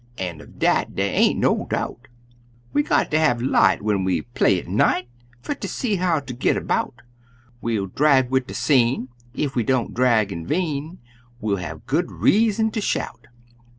An' uv dat dey ain't no doubt; "We got ter have light when we play at night, Fer ter see how ter git about; We'll drag wid de seine ef we don't drag in vain, We'll have good reason ter shout!"